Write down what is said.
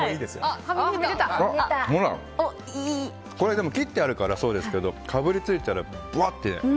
これ、でも切ってあるからそうですけどかぶりついたら、ぶわっと。